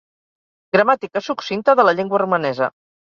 Gramàtica succinta de la llengua romanesa.